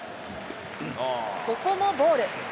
ここもボール。